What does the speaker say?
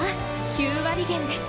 ９割減です